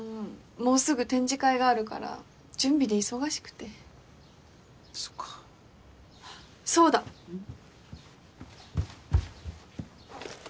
もうすぐ展示会があるから準備で忙しくてそっかそうだうん？